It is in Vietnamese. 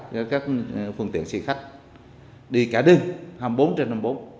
cho các phương tiện xe khách đi cả đường hai mươi bốn trên hai mươi bốn